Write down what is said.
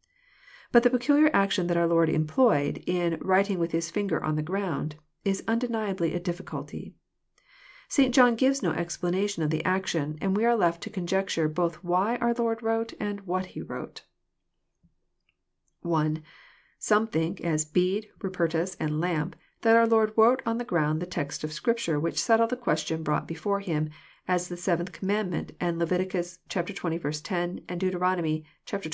"^"^ But the peculiar action that our Lord employed. In «* writing with his finger on the ground," is undeniably a difficulty. St. John gives no explanation of the action, and we are left to con jecture both vjhy our Lord wrote and what He wrote. (1) Some think, as Bede, Rupertus, and Lampe, that our Lord wrote on the ground the texts of Scripture which settled the question brought before Him, as the seventh commandment, and Lev. XX. 10, and Deut. xxii.